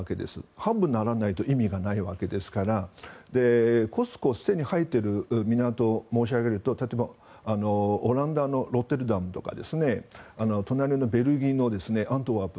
ハブにならないと意味がないわけですからＣＯＳＣＯがすでに入っている港を申し上げると例えばオランダのロッテルダムとか隣のベルギーのアントワープ。